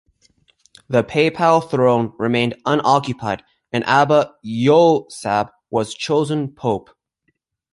The papal throne remained unoccupied, and Abba Yousab was chosen Pope.